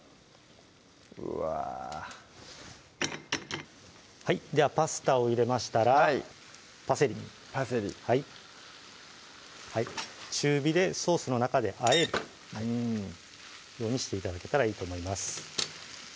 うわではパスタを入れましたらパセリパセリはい中火でソースの中であえるようにして頂けたらいいと思います